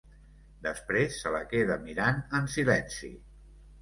Després se la queda mirant, en silenci.